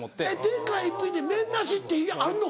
天下一品って麺なしってあんの？